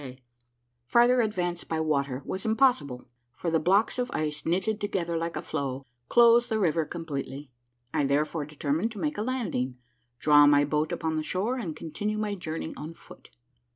A MARVELLOUS UNDERGROUND JOURNEY 147 Farther advance by water was impossible, for the blocks of ice, knitted together like a floe, closed the river completely. I therefore determined to make a landing — draw my boat upon the shore, and continue my journey on foot.